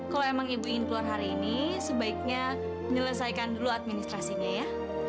kalau emang ibu ingin keluar hari ini sebaiknya menyelesaikan dulu administrasinya ya